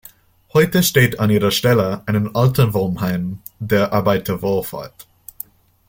Heute steht an ihrer Stelle ein Altenwohnheim der Arbeiterwohlfahrt.